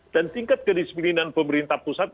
dan tingkat kedisiplinan pemerintah pusat